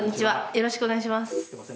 よろしくお願いします。